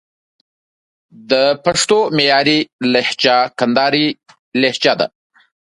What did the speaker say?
د پښتو معیاري لهجه کندهارۍ لجه ده